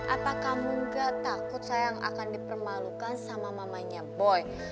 apa kamu gak takut sayang akan dipermalukan sama mamanya boy